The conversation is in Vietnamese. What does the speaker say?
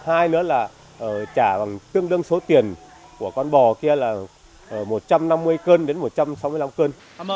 hai nữa là trả tương đương số tiền của con bò kia là một trăm năm mươi cân đến một trăm sáu mươi năm cân